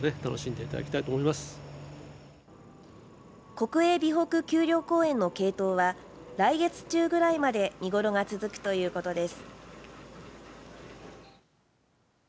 国営備北丘陵公園のケイトウは来月中ぐらいまで見頃が続くということです。